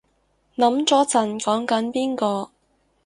諗咗陣講緊邊個